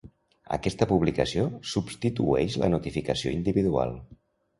Aquesta publicació substitueix la notificació individual.